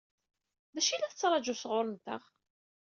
D acu i la tettṛaǧu sɣur-nteɣ?